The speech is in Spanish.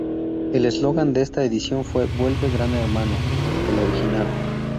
El eslogan de esta edición fue "Vuelve Gran Hermano, el original".